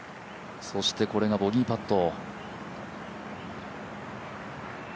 そしてこれがボギーパット。